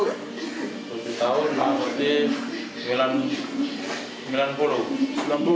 umur tujuh tahun berarti sembilan puluh